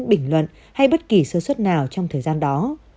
bình luận hay bất kỳ sơ xuất nào trong thời gian đó